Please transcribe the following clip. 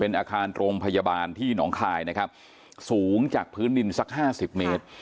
อาคารโรงพยาบาลที่หนองคายนะครับสูงจากพื้นดินสักห้าสิบเมตร